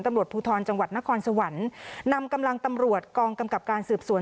ตำรวจภูทรจังหวัดนครสวรรค์นำกำลังตำรวจกองกำกับการสืบสวน